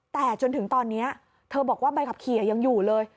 แต่จนถึงตอนนี้เธอบอกว่าใบขับขี่ยังอยู่เลย